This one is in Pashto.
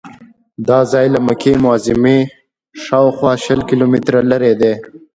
دا ځای له مکې معظمې شاوخوا شل کیلومتره لرې دی.